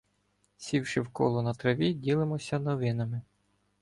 Сівши в коло на траві, ділимося новинами.